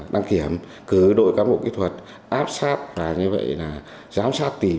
điểm cử đội cán bộ kỹ thuật áp sát và như vậy là giám sát tìm